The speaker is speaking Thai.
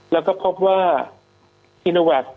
และพบว่าอินโลวัสดิ์